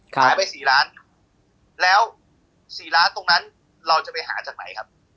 หายไป๔ล้านแล้ว๔ล้านตรงนั้นเราจะไปหาจากไหนครับ